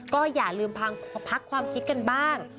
ก็อย่าลืมพักความคิดกันบ้าง